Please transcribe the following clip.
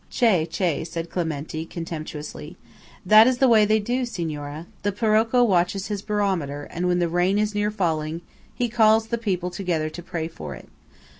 "Che! che!" said Clementi, contemptuously, "that is the way they do, Signora! The Parocco watches his barometer; and when the rain is near falling, he calls the people together to pray for it.